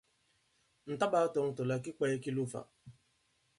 Ǹ ta-ɓāa-tɔ̄ŋ tɔ̀ là ki kwāye ki lo ifã.